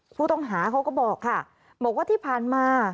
ผู้ต้องหาเขาก็บอกค่ะบอกว่าที่ผ่านมา